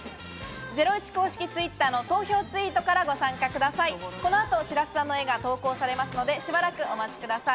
ゼロイチ公式Ｔｗｉｔｔｅｒの投票ツイートからご参加ください。